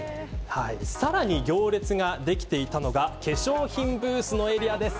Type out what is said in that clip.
さらに行列ができていたのが化粧品ブースのエリアです。